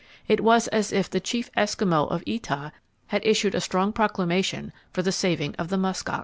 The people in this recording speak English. It was as if the Chief Eskimo of Etah had issued a strong proclamation for the saving of the musk ox.